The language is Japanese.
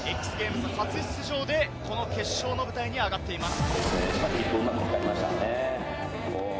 ＸＧａｍｅｓ初出場でこの決勝の舞台に上がっています。